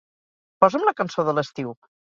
Posa'm la cançó de l'estiu